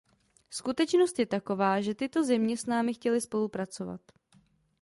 Skutečnost je taková, že tyto země s námi chtěly spolupracovat.